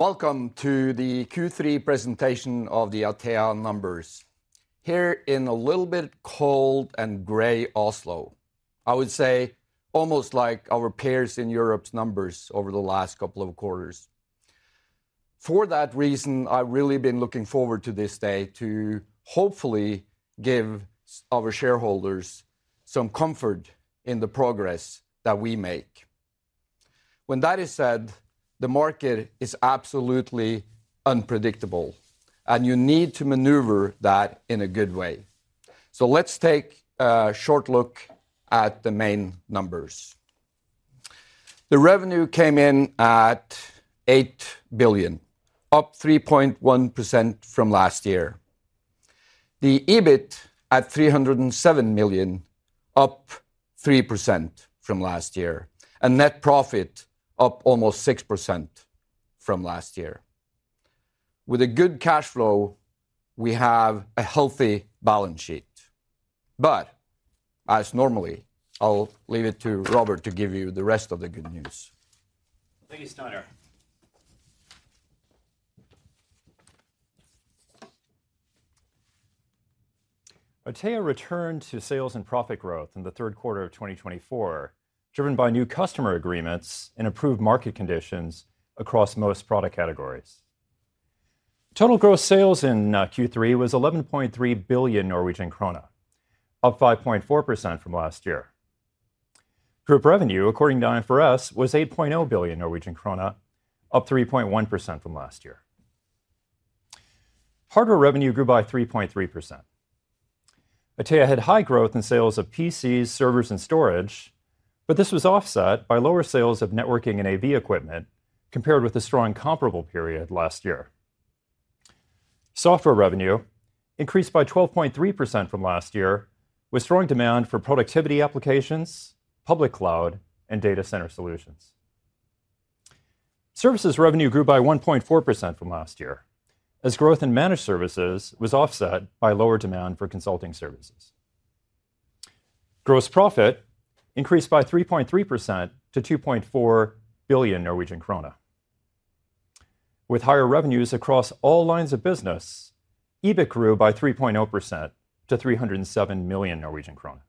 Welcome to the Q3 presentation of the Atea numbers, here in a little bit cold and gray Oslo. I would say almost like our peers in Europe's numbers over the last couple of quarters. For that reason, I've really been looking forward to this day to hopefully give our shareholders some comfort in the progress that we make. When that is said, the market is absolutely unpredictable, and you need to maneuver that in a good way. So let's take a short look at the main numbers. The revenue came in at 8 billion, up 3.1% from last year. The EBIT at 307 million, up 3% from last year, and net profit up almost 6% from last year. With a good cash flow, we have a healthy balance sheet, but as normally, I'll leave it to Robert to give you the rest of the good news. Thank you, Steinar. Atea returned to sales and profit growth in the third quarter of 2024, driven by new customer agreements and improved market conditions across most product categories. Total gross sales in Q3 was 11.3 billion Norwegian krone, up 5.4% from last year. Group revenue, according to IFRS, was 8.0 billion Norwegian krone, up 3.1% from last year. Hardware revenue grew by 3.3%. Atea had high growth in sales of PCs, servers, and storage, but this was offset by lower sales of networking and AV equipment compared with the strong comparable period last year. Software revenue increased by 12.3% from last year, with strong demand for productivity applications, public cloud, and data center solutions. Services revenue grew by 1.4% from last year, as growth in managed services was offset by lower demand for consulting services. Gross profit increased by 3.3% to 2.4 billion Norwegian krone. With higher revenues across all lines of business, EBIT grew by 3.0% to 307 million Norwegian kroner.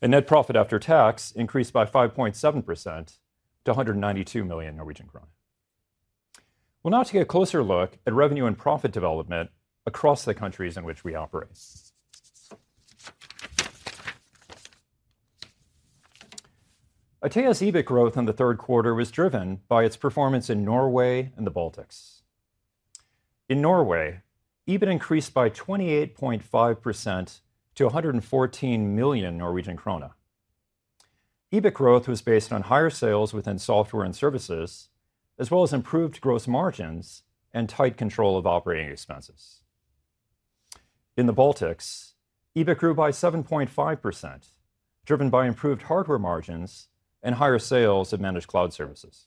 Net profit after tax increased by 5.7% to 192 million Norwegian kroner. Now to get a closer look at revenue and profit development across the countries in which we operate. Atea's EBIT growth in the third quarter was driven by its performance in Norway and the Baltics. In Norway, EBIT increased by 28.5% to 114 million Norwegian krone. EBIT growth was based on higher sales within software and services, as well as improved gross margins and tight control of operating expenses. In the Baltics, EBIT grew by 7.5%, driven by improved hardware margins and higher sales of managed cloud services.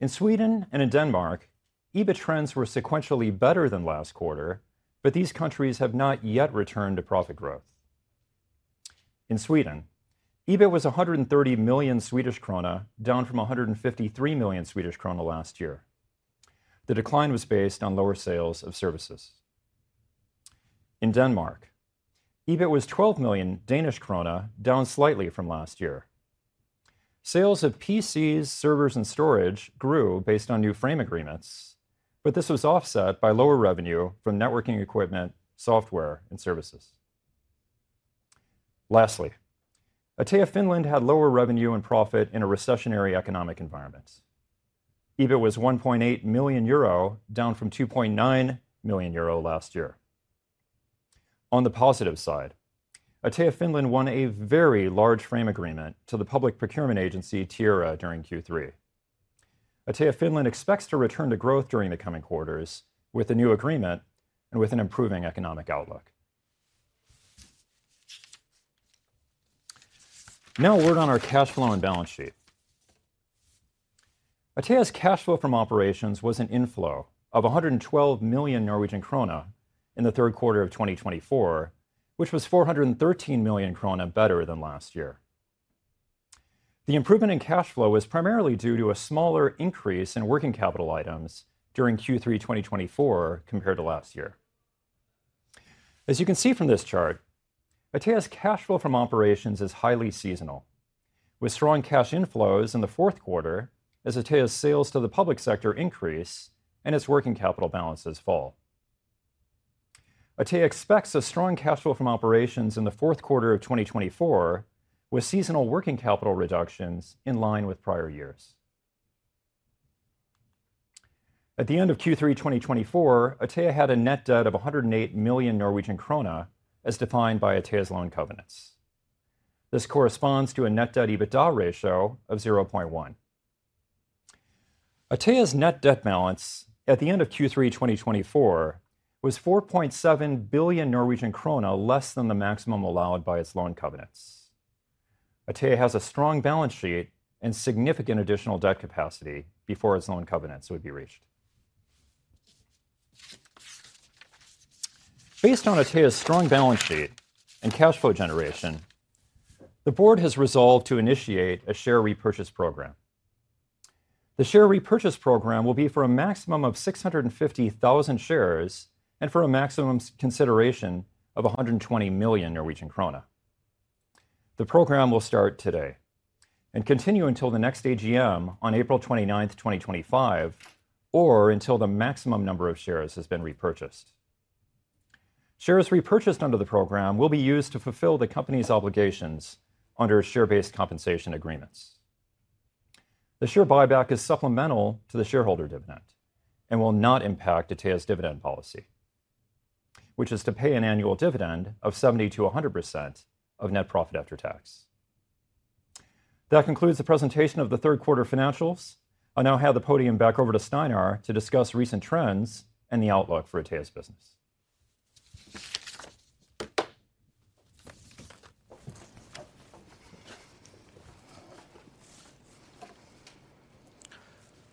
In Sweden and in Denmark, EBIT trends were sequentially better than last quarter, but these countries have not yet returned to profit growth. In Sweden, EBIT was 130 million Swedish krona, down from 153 million Swedish krona last year. The decline was based on lower sales of services. In Denmark, EBIT was 12 million Danish krone, down slightly from last year. Sales of PCs, servers, and storage grew based on new frame agreements, but this was offset by lower revenue from networking equipment, software, and services. Lastly, Atea Finland had lower revenue and profit in a recessionary economic environment. EBIT was 1.8 million euro, down from 2.9 million euro last year. On the positive side, Atea Finland won a very large frame agreement to the public procurement agency, Tiera, during Q3. Atea Finland expects to return to growth during the coming quarters with a new agreement and with an improving economic outlook. Now, a word on our cash flow and balance sheet. Atea's cash flow from operations was an inflow of 112 million Norwegian krone in the third quarter of 2024, which was 413 million krone better than last year. The improvement in cash flow was primarily due to a smaller increase in working capital items during Q3 2024 compared to last year. As you can see from this chart, Atea's cash flow from operations is highly seasonal, with strong cash inflows in the fourth quarter as Atea's sales to the public sector increase and its working capital balances fall. Atea expects a strong cash flow from operations in the fourth quarter of 2024, with seasonal working capital reductions in line with prior years. At the end of Q3 2024, Atea had a net debt of 108 million Norwegian krone, as defined by Atea's loan covenants. This corresponds to a net debt EBITDA ratio of 0.1. Atea's net debt balance at the end of Q3 2024 was 4.7 billion Norwegian krone, less than the maximum allowed by its loan covenants. Atea has a strong balance sheet and significant additional debt capacity before its loan covenants would be reached. Based on Atea's strong balance sheet and cash flow generation, the board has resolved to initiate a share repurchase program. The share repurchase program will be for a maximum of 650,000 shares, and for a maximum consideration of 120 million Norwegian krone. The program will start today, and continue until the next AGM on April twenty-ninth, 2025, or until the maximum number of shares has been repurchased. Shares repurchased under the program will be used to fulfill the company's obligations under share-based compensation agreements. The share buyback is supplemental to the shareholder dividend, and will not impact Atea's dividend policy, which is to pay an annual dividend of 70%-100% of net profit after tax. That concludes the presentation of the third quarter financials. I'll now hand the podium back over to Steinar to discuss recent trends and the outlook for Atea's business.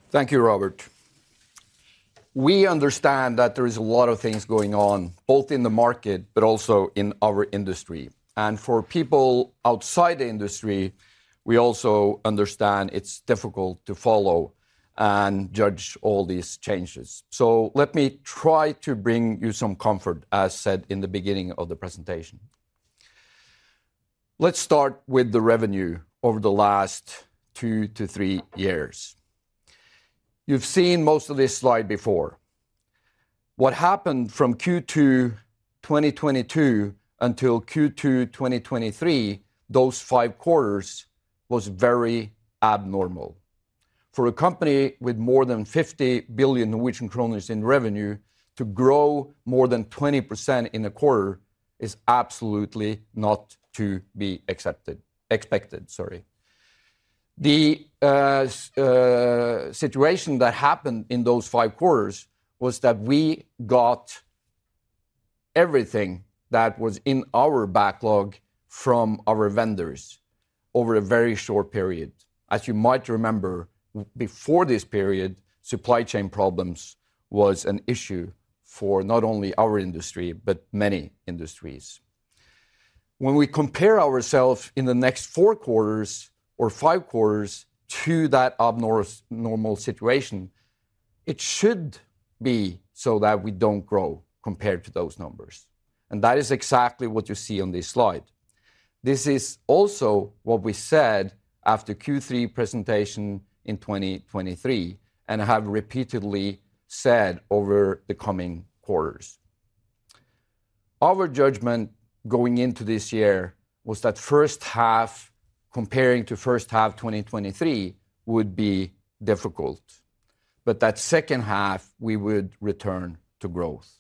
Thank you, Robert. We understand that there is a lot of things going on, both in the market, but also in our industry, and for people outside the industry, we also understand it's difficult to follow and judge all these changes. So let me try to bring you some comfort, as said in the beginning of the presentation. Let's start with the revenue over the last two to three years. You've seen most of this slide before. What happened from Q2 2022 until Q2 2023, those five quarters, was very abnormal. For a company with more than 50 billion Norwegian kroner in revenue, to grow more than 20% in a quarter is absolutely not to be expected, sorry. The situation that happened in those five quarters was that we got everything that was in our backlog from our vendors over a very short period. As you might remember, before this period, supply chain problems was an issue for not only our industry, but many industries. When we compare ourselves in the next four quarters or five quarters to that abnormal, normal situation, it should be so that we don't grow compared to those numbers, and that is exactly what you see on this slide. This is also what we said after Q3 presentation in 2023, and have repeatedly said over the coming quarters. Our judgment going into this year was that first half, comparing to first half 2023, would be difficult, but that second half, we would return to growth.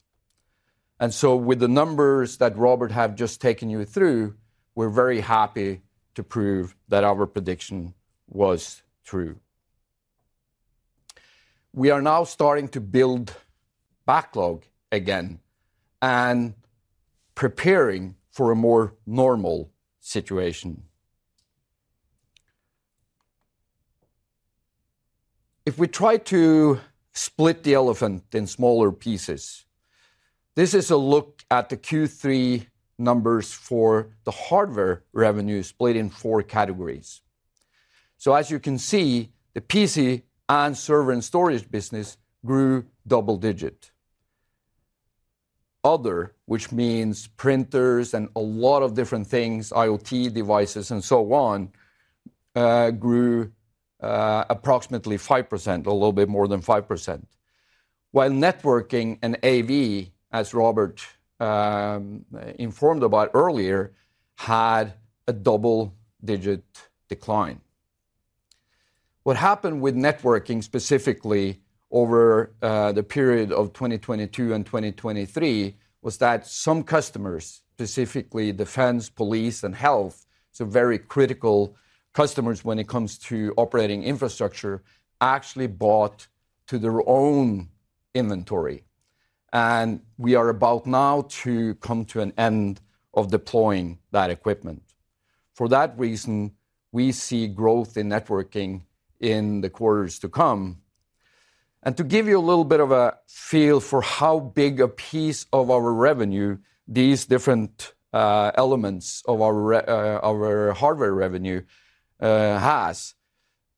With the numbers that Robert have just taken you through, we're very happy to prove that our prediction was true. We are now starting to build backlog again and preparing for a more normal situation. If we try to split the elephant in smaller pieces, this is a look at the Q3 numbers for the hardware revenue split in four categories. As you can see, the PC and server and storage business grew double-digit. Other, which means printers and a lot of different things, IoT devices, and so on, grew approximately 5%, a little bit more than 5%. While networking and AV, as Robert informed about earlier, had a double-digit decline. What happened with networking, specifically over the period of 2022 and 2023, was that some customers, specifically defense, police, and health, so very critical customers when it comes to operating infrastructure, actually bought to their own inventory, and we are about now to come to an end of deploying that equipment. For that reason, we see growth in networking in the quarters to come, and to give you a little bit of a feel for how big a piece of our revenue these different elements of our hardware revenue has,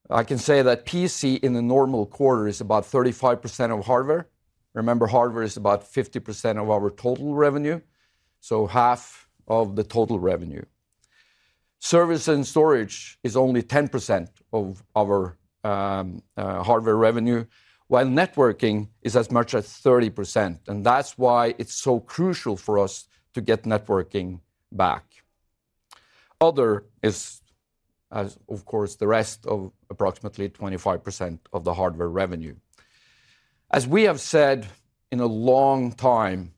I can say that PC in a normal quarter is about 35% of hardware. Remember, hardware is about 50% of our total revenue, so half of the total revenue. Service and storage is only 10% of our hardware revenue, while networking is as much as 30%, and that's why it's so crucial for us to get networking back. Other is, as of course, the rest of approximately 25% of the hardware revenue. As we have said for a long time,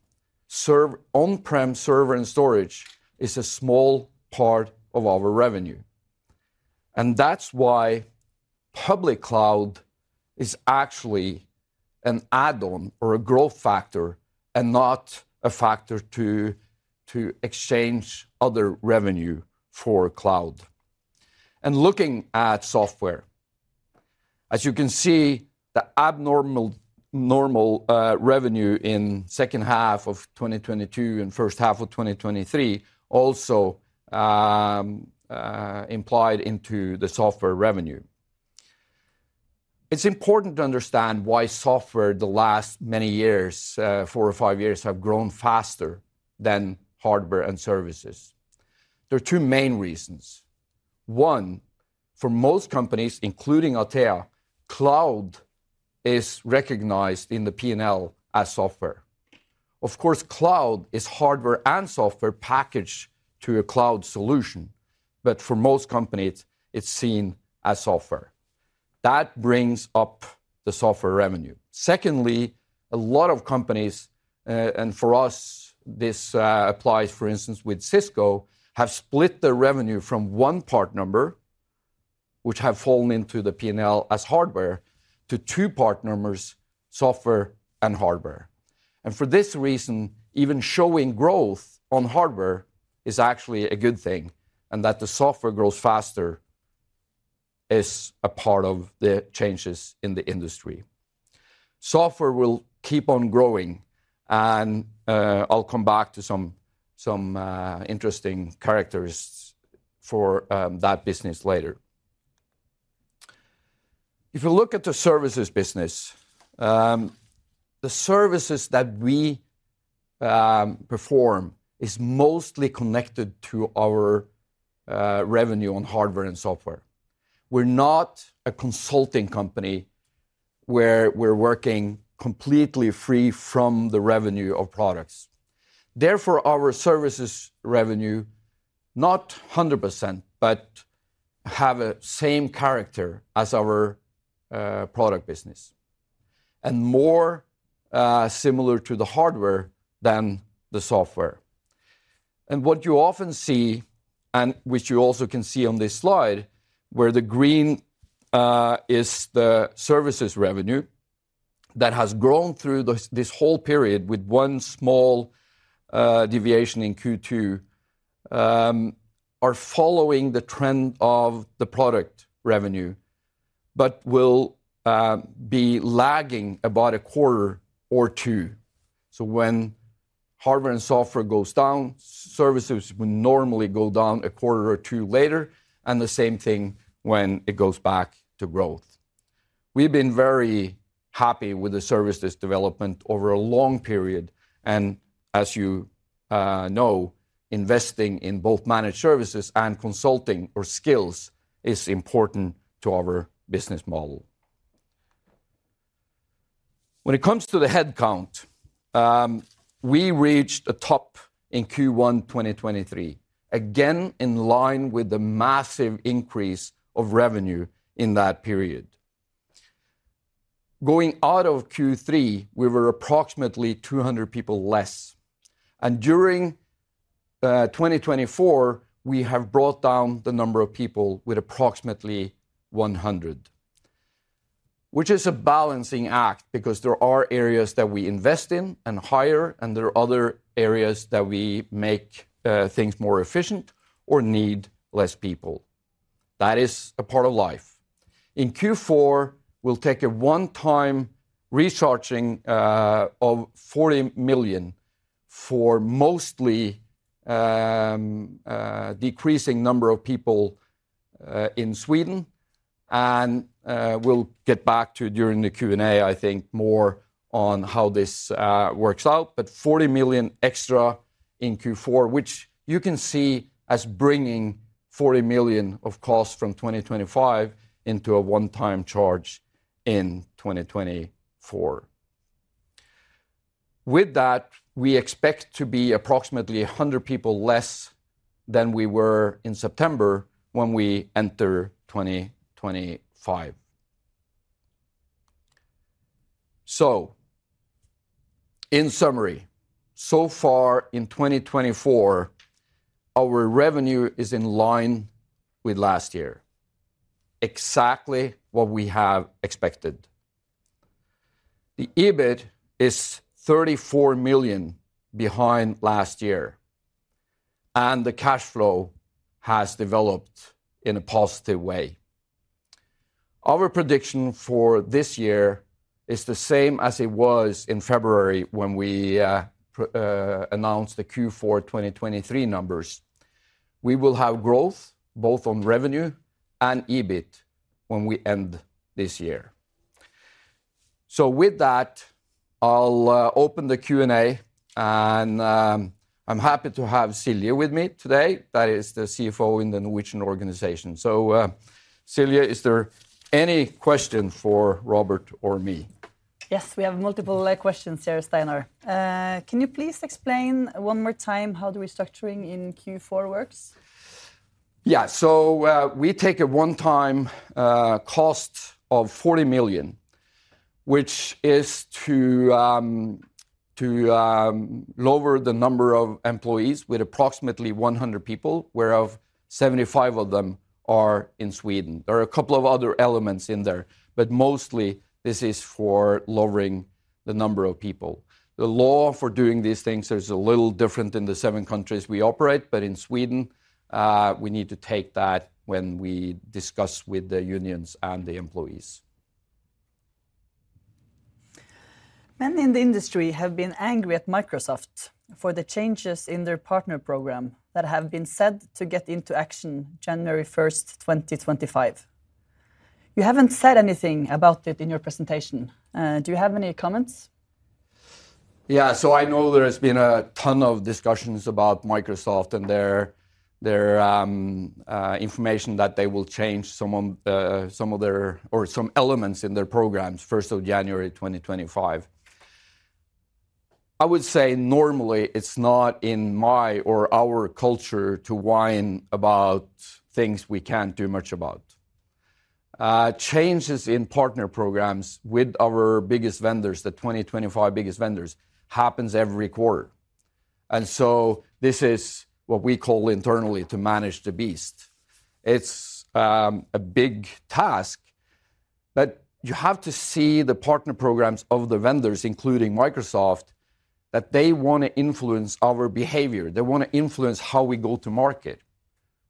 on-prem server and storage is a small part of our revenue, and that's why public cloud is actually an add-on or a growth factor, and not a factor to exchange other revenue for cloud. Looking at software. As you can see, the normal revenue in second half of 2022 and first half of 2023 also implied into the software revenue. It's important to understand why software, the last many years, four or five years, have grown faster than hardware and services. There are two main reasons. One, for most companies, including Atea, cloud is recognized in the P&L as software. Of course, cloud is hardware and software packaged to a cloud solution, but for most companies, it's seen as software. That brings up the software revenue. Secondly, a lot of companies and for us, this applies, for instance, with Cisco, have split their revenue from one part number, which have fallen into the P&L as hardware, to two part numbers, software and hardware, and for this reason, even showing growth on hardware is actually a good thing, and that the software grows faster is a part of the changes in the industry. Software will keep on growing and I'll come back to some interesting characteristics for that business later. If you look at the services business, the services that we perform is mostly connected to our revenue on hardware and software. We're not a consulting company, where we're working completely free from the revenue of products. Therefore, our services revenue, not 100%, but have a same character as our product business, and more similar to the hardware than the software. And what you often see, and which you also can see on this slide, where the green is the services revenue, that has grown through this whole period with one small deviation in Q2, are following the trend of the product revenue, but will be lagging about a quarter or two. So when hardware and software goes down, services would normally go down a quarter or two later, and the same thing when it goes back to growth. We've been very happy with the services development over a long period and as you know, investing in both managed services and consulting or skills is important to our business model. When it comes to the headcount, we reached a top in Q1 2023, again, in line with the massive increase of revenue in that period. Going out of Q3, we were approximately 200 people less, and during 2024, we have brought down the number of people with approximately 100, which is a balancing act because there are areas that we invest in and hire, and there are other areas that we make things more efficient or need less people. That is a part of life. In Q4, we'll take a one-time recharging of 40 million for mostly decreasing number of people in Sweden, and we'll get back to it during the Q&A, I think, more on how this works out. But 40 million extra in Q4, which you can see as bringing 40 million of costs from 2025 into a one-time charge in 2024. With that, we expect to be approximately 100 people less than we were in September when we enter 2025. In summary, so far in 2024, our revenue is in line with last year, exactly what we have expected. The EBIT is 34 million behind last year, and the cash flow has developed in a positive way. Our prediction for this year is the same as it was in February when we announced the Q4 twenty twenty-three numbers. We will have growth both on revenue and EBIT when we end this year. With that, I'll open the Q&A, and I'm happy to have Silje with me today. That is the CFO in the Norwegian organization. Silje, is there any question for Robert or me? Yes, we have multiple questions here, Steinar. Can you please explain one more time how the restructuring in Q4 works? Yeah. So, we take a one-time cost of 40 million, which is to lower the number of employees with approximately 100 people, whereof 75 of them are in Sweden. There are a couple of other elements in there, but mostly this is for lowering the number of people. The law for doing these things is a little different in the seven countries we operate, but in Sweden, we need to take that when we discuss with the unions and the employees. Many in the industry have been angry at Microsoft for the changes in their partner program that have been said to get into action January 1st, 2025. You haven't said anything about it in your presentation. Do you have any comments? Yeah, so I know there has been a ton of discussions about Microsoft and their information that they will change some of their or some elements in their programs 1st of January 2025. I would say normally it's not in my or our culture to whine about things we can't do much about. Changes in partner programs with our biggest vendors, the 2025 biggest vendors, happens every quarter, and so this is what we call internally to manage the beast. It's a big task, but you have to see the partner programs of the vendors, including Microsoft, that they want to influence our behavior. They want to influence how we go to market.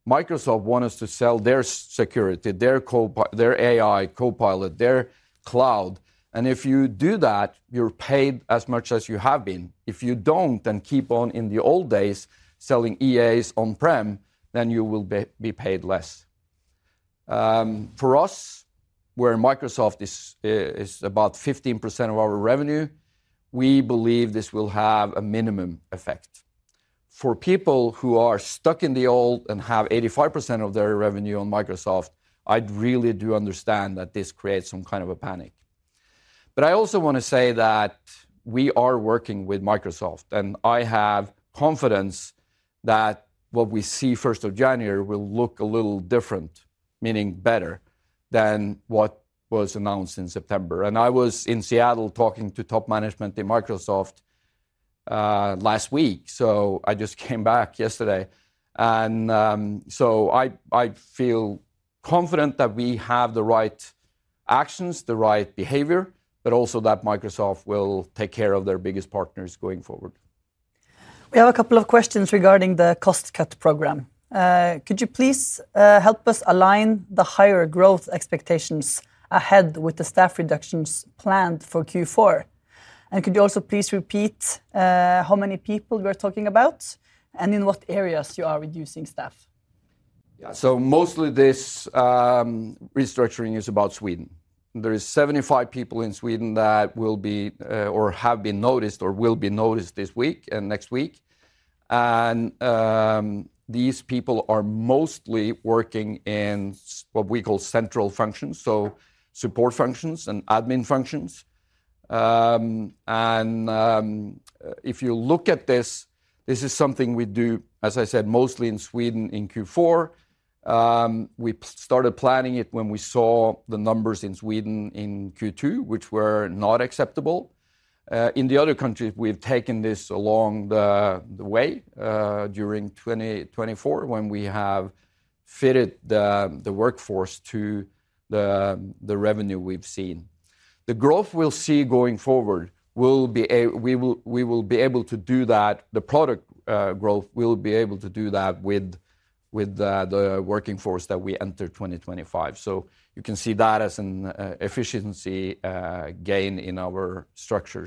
Microsoft want us to sell their security, their AI, Copilot, their cloud, and if you do that, you're paid as much as you have been. If you don't, then keep on in the old days selling EAs on-prem, then you will be paid less. For us, where Microsoft is about 15% of our revenue, we believe this will have a minimum effect. For people who are stuck in the old and have 85% of their revenue on Microsoft, I really do understand that this creates some kind of a panic. But I also want to say that we are working with Microsoft, and I have confidence that what we see 1st of January will look a little different, meaning better, than what was announced in September. And I was in Seattle talking to top management in Microsoft last week, so I just came back yesterday. I feel confident that we have the right actions, the right behavior, but also that Microsoft will take care of their biggest partners going forward. We have a couple of questions regarding the cost-cut program. Could you please help us align the higher growth expectations ahead with the staff reductions planned for Q4? And could you also please repeat how many people we're talking about, and in what areas you are reducing staff? Yeah, so mostly this restructuring is about Sweden. There is 75 people in Sweden that will be, or have been noticed or will be noticed this week and next week. And, these people are mostly working in what we call central functions, so support functions and admin functions. And, if you look at this, this is something we do, as I said, mostly in Sweden in Q4. We started planning it when we saw the numbers in Sweden in Q2, which were not acceptable. In the other countries, we've taken this along the way, during 2024, when we have fitted the workforce to the revenue we've seen. The growth we'll see going forward will be we will be able to do that, the product growth, we'll be able to do that with the workforce that we enter 2025. You can see that as an efficiency gain in our structure.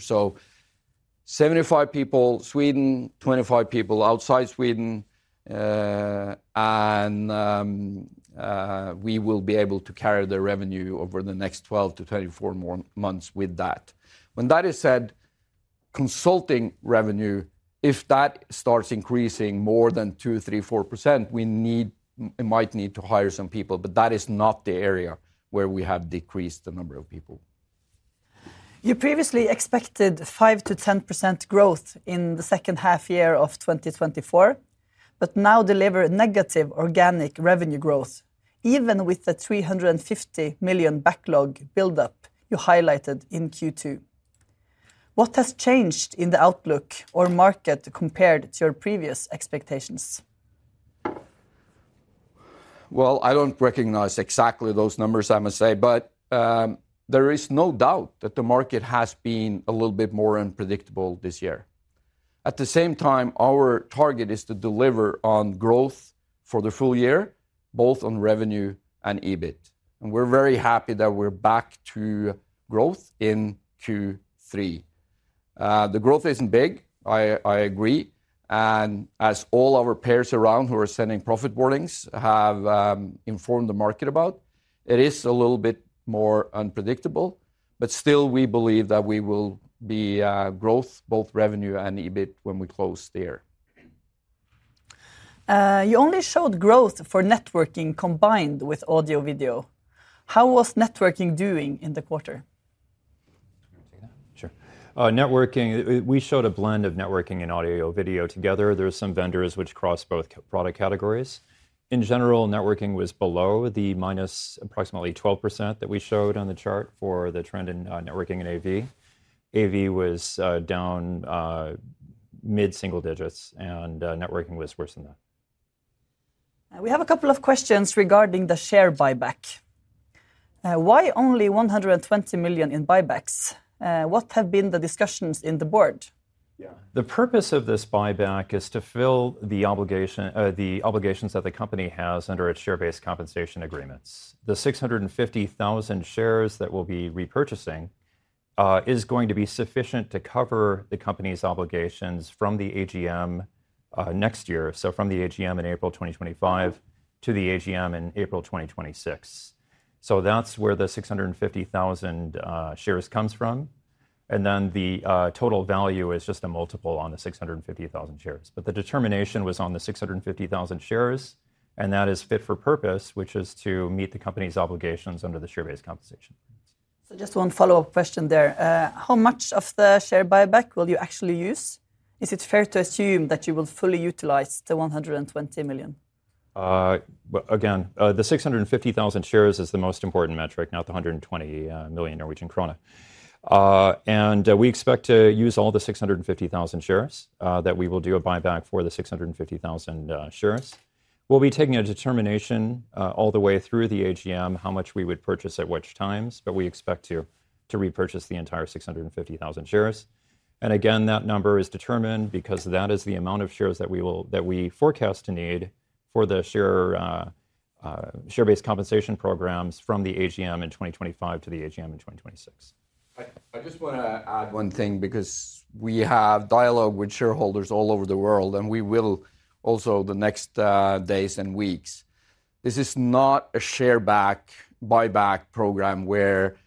75 people Sweden, 25 people outside Sweden, and we will be able to carry the revenue over the next 12 to 24 more months with that. When that is said, consulting revenue, if that starts increasing more than 2%, 3%, 4%, we might need to hire some people, but that is not the area where we have decreased the number of people. You previously expected 5%-10% growth in the second half year of 2024, but now deliver negative organic revenue growth, even with the 350 million backlog buildup you highlighted in Q2. What has changed in the outlook or market compared to your previous expectations? I don't recognize exactly those numbers, I must say, but there is no doubt that the market has been a little bit more unpredictable this year. At the same time, our target is to deliver on growth for the full year, both on revenue and EBIT, and we're very happy that we're back to growth in Q3. The growth isn't big, I agree, and as all our peers around who are sending profit warnings have informed the market about, it is a little bit more unpredictable. But still, we believe that we will be growth, both revenue and EBIT, when we close the year. You only showed growth for networking combined with audio-video. How was networking doing in the quarter? You want me to take that? Sure. Networking, we showed a blend of networking and audio-video together. There are some vendors which cross both product categories. In general, networking was below minus approximately 12% that we showed on the chart for the trend in networking and AV. AV was down mid-single digits, and networking was worse than that.... We have a couple of questions regarding the share buyback. Why only 120 million in buybacks? What have been the discussions in the board? Yeah, the purpose of this buyback is to fill the obligation, the obligations that the company has under its share-based compensation agreements. The 650,000 shares that we'll be repurchasing is going to be sufficient to cover the company's obligations from the AGM next year, so from the AGM in April 2025 to the AGM in April 2026. So that's where the 650,000 shares comes from, and then the total value is just a multiple on the 650,000 shares. But the determination was on the 650,000 shares, and that is fit for purpose, which is to meet the company's obligations under the share-based compensation. Just one follow-up question there. How much of the share buyback will you actually use? Is it fair to assume that you will fully utilize the 120 million? Well, again, the 650,000 shares is the most important metric, not the 120 million Norwegian krone. And we expect to use all the 650,000 shares that we will do a buyback for the 650,000 shares. We'll be taking a determination all the way through the AGM, how much we would purchase at which times, but we expect to repurchase the entire 650,000 shares. And again, that number is determined because that is the amount of shares that we forecast to need for the share-based compensation programs from the AGM in 2025 to the AGM in 2026. I, I just wanna add one thing, because we have dialogue with shareholders all over the world, and we will also the next, days and weeks. This is not a share back, buyback program where,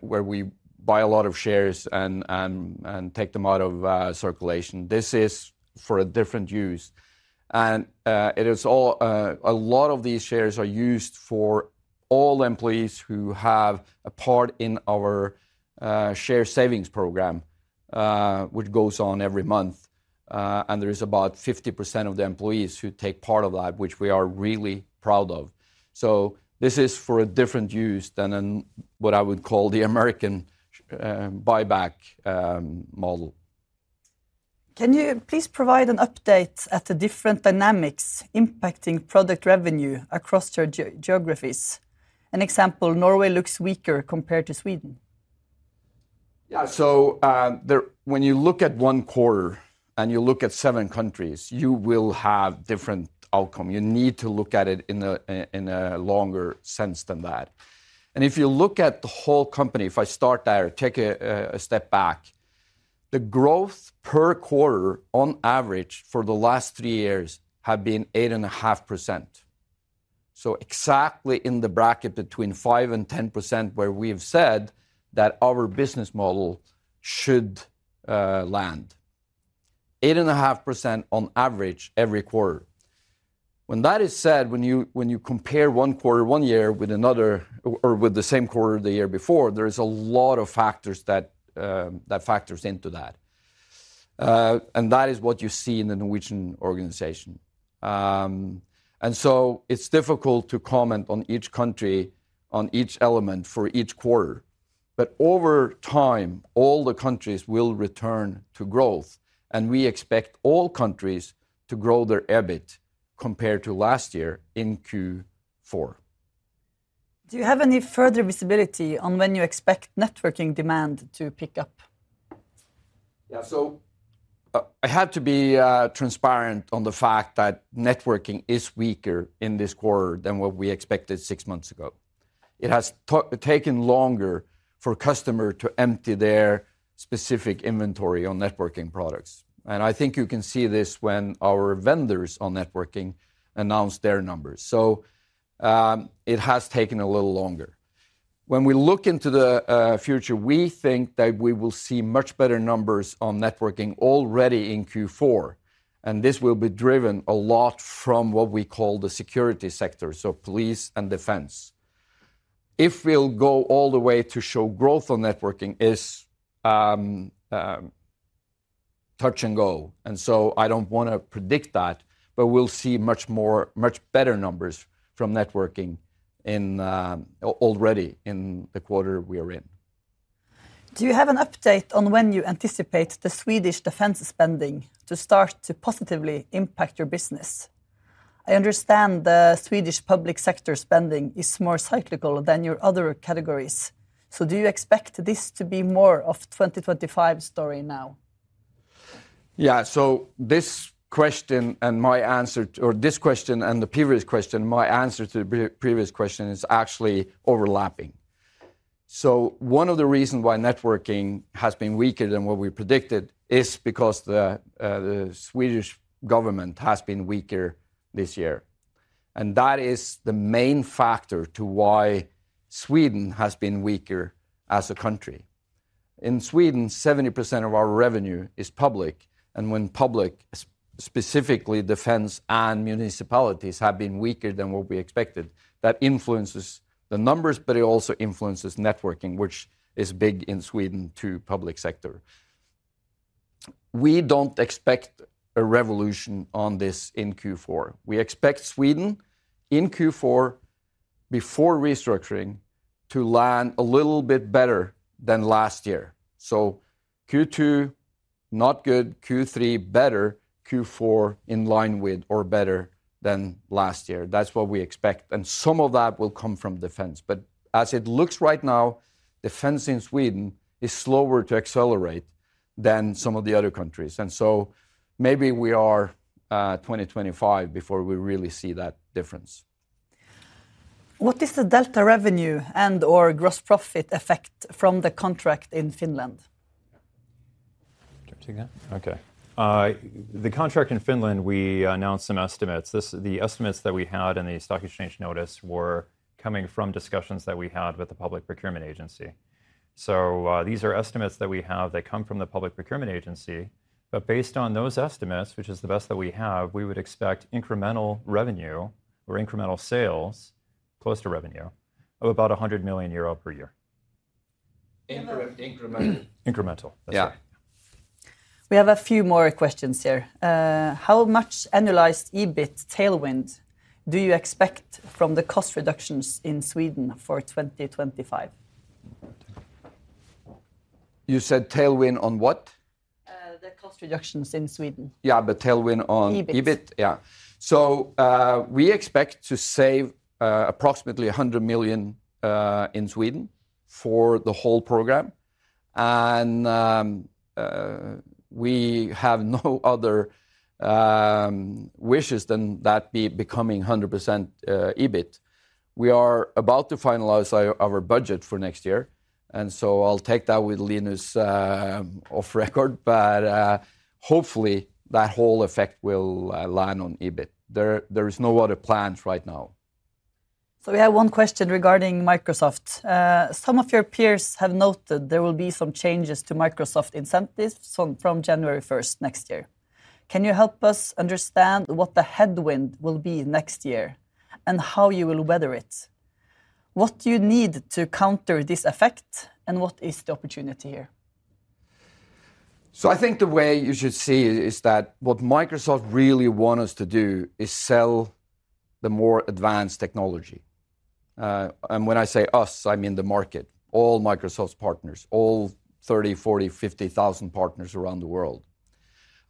where we buy a lot of shares and take them out of, circulation. This is for a different use, and it is all a lot of these shares are used for all employees who have a part in our, share savings program, which goes on every month. And there is about 50% of the employees who take part of that, which we are really proud of. So this is for a different use than an, what I would call the American, buyback, model. Can you please provide an update on the different dynamics impacting product revenue across your geographies? An example, Norway looks weaker compared to Sweden. Yeah, so, there, when you look at one quarter and you look at seven countries, you will have different outcome. You need to look at it in a longer sense than that. And if you look at the whole company, if I start there, take a step back, the growth per quarter on average for the last three years have been 8.5%, so exactly in the bracket between 5%-10%, where we have said that our business model should land. 8.5% on average every quarter. When that is said, when you compare one quarter, one year with another, or with the same quarter the year before, there is a lot of factors that factors into that. And that is what you see in the Norwegian organization. And so it's difficult to comment on each country, on each element for each quarter. But over time, all the countries will return to growth, and we expect all countries to grow their EBIT compared to last year in Q4. Do you have any further visibility on when you expect networking demand to pick up? Yeah, so, I have to be transparent on the fact that networking is weaker in this quarter than what we expected six months ago. It has taken longer for customer to empty their specific inventory on networking products, and I think you can see this when our vendors on networking announce their numbers. So, it has taken a little longer. When we look into the future, we think that we will see much better numbers on networking already in Q4, and this will be driven a lot from what we call the security sector, so police and defense. If we'll go all the way to show growth on networking is touch and go, and so I don't want to predict that, but we'll see much more, much better numbers from networking in already in the quarter we are in. Do you have an update on when you anticipate the Swedish defense spending to start to positively impact your business? I understand the Swedish public sector spending is more cyclical than your other categories, so do you expect this to be more of a 2025 story now? Yeah, so this question and my answer, or this question and the previous question, my answer to the previous question is actually overlapping. So one of the reasons why networking has been weaker than what we predicted is because the Swedish government has been weaker this year, and that is the main factor to why Sweden has been weaker as a country. In Sweden, 70% of our revenue is public, and when public, specifically defense and municipalities, have been weaker than what we expected, that influences the numbers, but it also influences networking, which is big in Sweden to public sector. We don't expect a revolution on this in Q4. We expect Sweden in Q4 before restructuring to land a little bit better than last year. So Q2, not good. Q3, better. Q4, in line with or better than last year. That's what we expect, and some of that will come from defense. But as it looks right now, defense in Sweden is slower to accelerate than some of the other countries, and so maybe we are 2025 before we really see that difference. What is the delta revenue and/or gross profit effect from the contract in Finland? Do you want to take that? Okay. The contract in Finland, we announced some estimates. The estimates that we had in the stock exchange notice were coming from discussions that we had with the public procurement agency. So, these are estimates that we have that come from the public procurement agency, but based on those estimates, which is the best that we have, we would expect incremental revenue or incremental sales, close to revenue, of about 100 million euro per year. Increment, incremental. Incremental, that's right. Yeah. We have a few more questions here. How much annualized EBIT tailwind do you expect from the cost reductions in Sweden for 2025? You said tailwind on what? The cost reductions in Sweden. Yeah, but tailwind on- EBIT. EBIT? Yeah. So, we expect to save approximately 100 million in Sweden for the whole program, and we have no other wishes than that be becoming 100% EBIT. We are about to finalize our budget for next year, and so I'll take that with Linus off record, but hopefully, that whole effect will land on EBIT. There is no other plans right now. We have one question regarding Microsoft. Some of your peers have noted there will be some changes to Microsoft incentives from January 1st, next year. Can you help us understand what the headwind will be next year, and how you will weather it? What do you need to counter this effect, and what is the opportunity here? So I think the way you should see it is that what Microsoft really want us to do is sell the more advanced technology. And when I say us, I mean the market, all Microsoft's partners, all 30, 40, 50,000 partners around the world.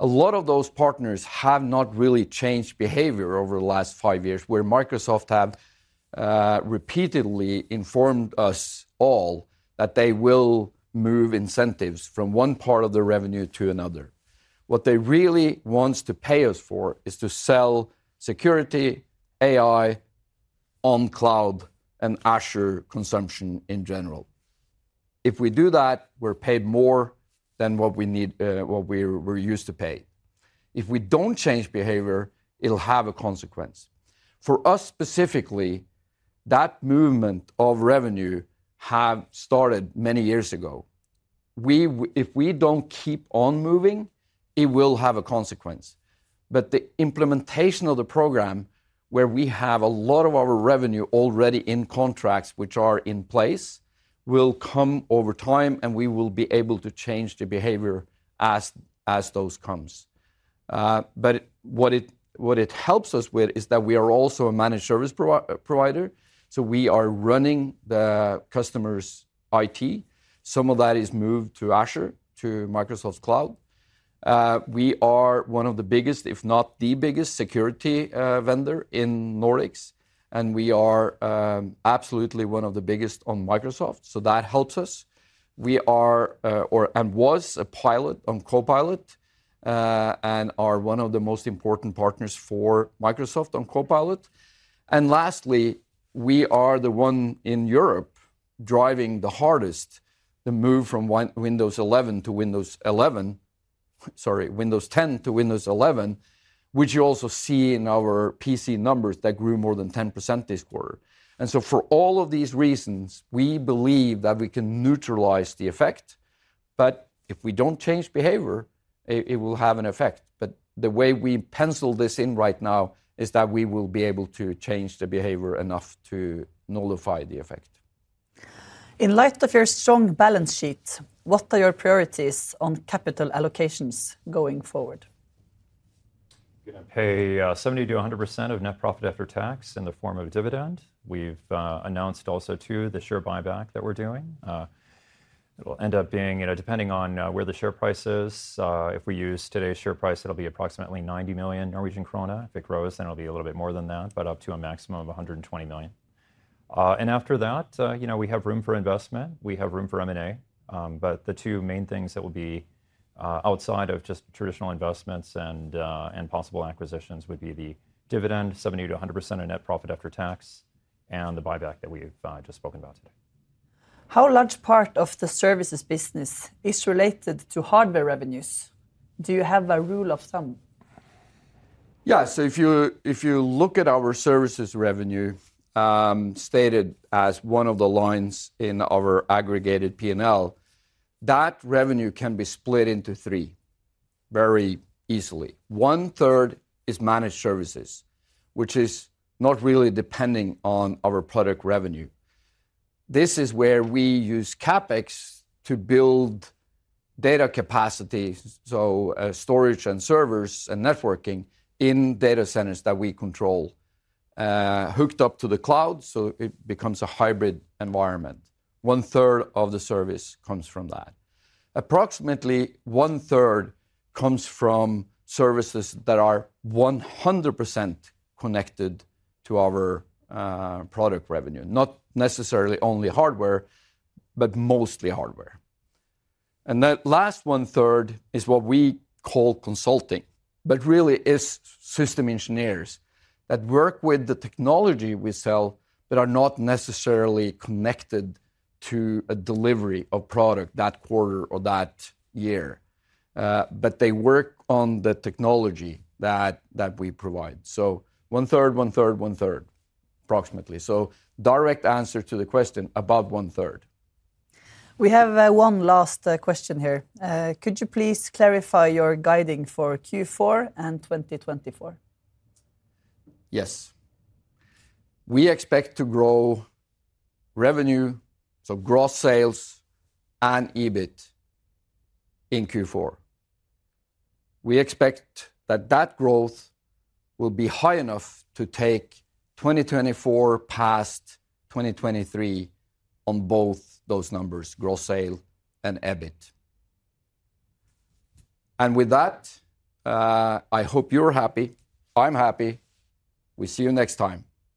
A lot of those partners have not really changed behavior over the last five years, where Microsoft have repeatedly informed us all that they will move incentives from one part of the revenue to another. What they really wants to pay us for is to sell security, AI, on cloud, and Azure consumption in general. If we do that, we're paid more than what we need, what we're, we're used to paid. If we don't change behavior, it'll have a consequence. For us specifically, that movement of revenue have started many years ago. If we don't keep on moving, it will have a consequence. But the implementation of the program, where we have a lot of our revenue already in contracts which are in place, will come over time, and we will be able to change the behavior as those comes. But what it helps us with is that we are also a managed service provider, so we are running the customer's IT. Some of that is moved to Azure, to Microsoft's cloud. We are one of the biggest, if not the biggest, security vendor in Nordics, and we are absolutely one of the biggest on Microsoft, so that helps us. We were a pilot on Copilot and are one of the most important partners for Microsoft on Copilot. Lastly, we are the one in Europe driving the hardest the move from Windows 10 to Windows 11, which you also see in our PC numbers that grew more than 10% this quarter. So for all of these reasons, we believe that we can neutralize the effect, but if we don't change behavior, it will have an effect. The way we pencil this in right now is that we will be able to change the behavior enough to nullify the effect. In light of your strong balance sheet, what are your priorities on capital allocations going forward? We're gonna pay 70%-100% of net profit after tax in the form of dividend. We've announced also, too, the share buyback that we're doing. It will end up being, you know, depending on where the share price is, if we use today's share price, it'll be approximately 90 million Norwegian krone. If it grows, then it'll be a little bit more than that, but up to a maximum of 120 million NOK. And after that, you know, we have room for investment. We have room for M&A. But the two main things that will be outside of just traditional investments and possible acquisitions would be the dividend, 70%-100% of net profit after tax, and the buyback that we've just spoken about today. How large part of the services business is related to hardware revenues? Do you have a rule of thumb? Yeah, so if you look at our services revenue, stated as one of the lines in our aggregated P&L, that revenue can be split into three very easily. One third is managed services, which is not really depending on our product revenue. This is where we use CapEx to build data capacity, so, storage, and servers, and networking in data centers that we control, hooked up to the cloud, so it becomes a hybrid environment. One third of the service comes from that. Approximately one third comes from services that are 100% connected to our product revenue, not necessarily only hardware, but mostly hardware. And that last one third is what we call consulting, but really it's system engineers that work with the technology we sell that are not necessarily connected to a delivery of product that quarter or that year. But they work on the technology that we provide, so one third, one third, one third, approximately. So, direct answer to the question, about one third. We have one last question here. Could you please clarify your guidance for Q4 and 2024? Yes. We expect to grow revenue, so gross sales and EBIT, in Q4. We expect that that growth will be high enough to take 2024 past 2023 on both those numbers, gross sale and EBIT. And with that, I hope you're happy. I'm happy. We'll see you next time. Bye.